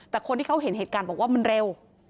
แต่คนที่เขาเห็นเหตุการณ์บอกว่ามันเร็ว